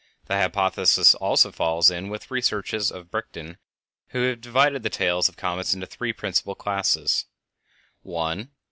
The hypothesis also falls in with the researches of Bredichin, who has divided the tails of comets into three principal classes—_viz.